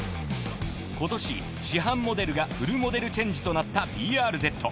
今年市販モデルがフルモデルチェンジとなったＢＲＺ。